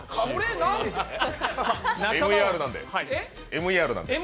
ＭＥＲなんでね。